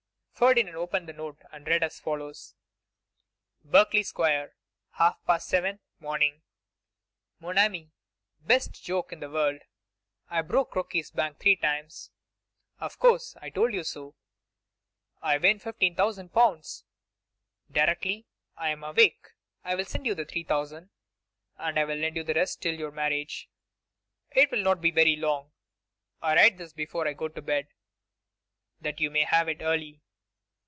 Ferdinand opened the note and read as follows: 'Berkeley square, half past 7, morning. 'Mon Ami, Best joke in the world! I broke Crocky's bank three times. Of course; I told you so. I win 15,000L. Directly I am awake I will send you the three thousand, and I will lend you the rest till your marriage. It will not be very long. I write this before I go to bed, that you may have it early.